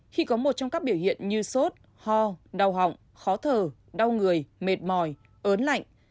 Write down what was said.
khi có một trong các biểu hiện như sốt ho đau họng khó thở đau người mệt mỏi ớn lạnh